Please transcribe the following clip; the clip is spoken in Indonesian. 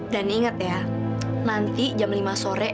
ingat ya nanti jam lima sore